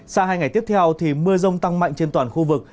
sau hai ngày tiếp theo thì mưa rông tăng mạnh trên toàn khu vực